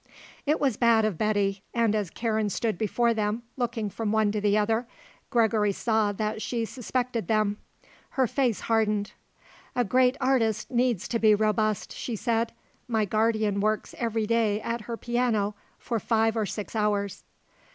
It was bad of Betty, and as Karen stood before them, looking from one to the other, Gregory saw that she suspected them. Her face hardened. "A great artist needs to be robust," she said. "My guardian works every day at her piano for five or six hours."